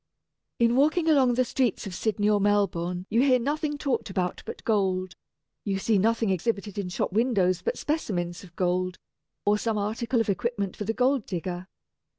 In walking along the streets of Sydney or Melbourne you hear nothing talked about but gold; you see nothing exhibited in shop windows but specimens of gold, or some article of equipment for the gold digger.